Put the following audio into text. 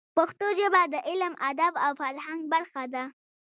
پښتو ژبه د علم، ادب او فرهنګ برخه ده.